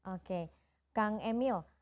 oke kang emil